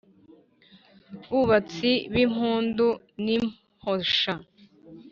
buhatsi bw’impundu n’imposha,